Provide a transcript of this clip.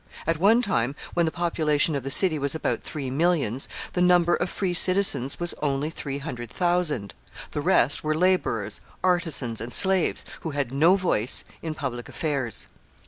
At one time, when the population of the city was about three millions the number of free citizens was only three hundred thousand. The rest were laborers, artisans, and slaves, who had no voice in public affairs.